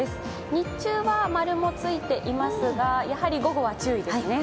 日中は○もついていますが、やはり午後は注意ですね。